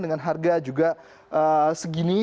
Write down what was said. dengan harga juga segini